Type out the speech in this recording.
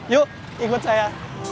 yuk ikut saya